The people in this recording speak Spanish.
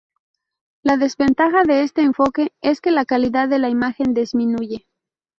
La desventaja de este enfoque es que la calidad de la imagen disminuye.